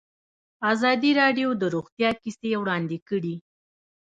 ازادي راډیو د روغتیا کیسې وړاندې کړي.